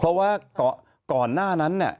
เพราะว่าก่อนหน้านั้น